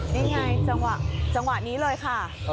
นี่ไงจังหวะนี้เลยค่ะ